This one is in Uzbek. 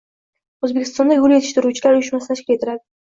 O‘zbekistonda Gul yetishtiruvchilar uyushmasi tashkil etildi